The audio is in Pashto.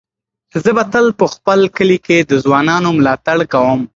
زه به تل په خپل کلي کې د ځوانانو ملاتړ کوم.